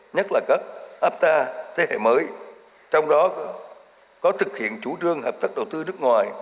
nhất là các apta thế hệ mới trong đó có thực hiện chủ trương hợp tác đầu tư nước ngoài